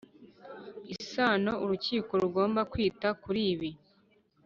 Isano Urukiko Rugomba Kwita Kuri Ibi